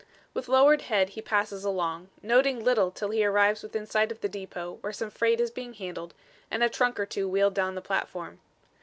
With lowered head he passes along, noting little till he arrives within sight of the depot where some freight is being handled, and a trunk or two wheeled down the platform.